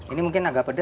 ini mungkin agak sedikit